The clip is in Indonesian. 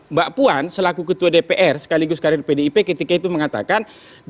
mbak puan selaku ketua dpr sekaligus karir pdip ketika itu mengatakan